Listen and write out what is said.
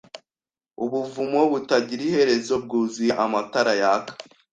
Ubuvumo butagira iherezo bwuzuye amatara yaka